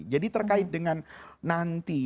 jadi terkait dengan nanti